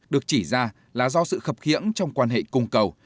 được chỉ ra là do sự khập khiễng trong quan hệ cung cầu